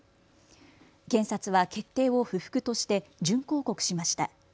検察は決定を不服として準抗告しました。